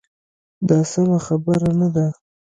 دا سمه خبره نه ده.